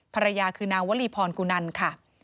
ภรรยาคือนางวลีพรกุนันค่ะ